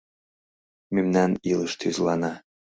Мемнан илыш тӱзлана: